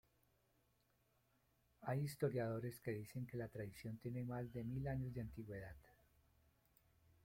Hay historiadores que dicen que la tradición tiene más de mil años de antigüedad.